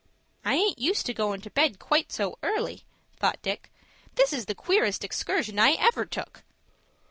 "I aint used to goin' to bed quite so early," thought Dick. "This is the queerest excursion I ever took."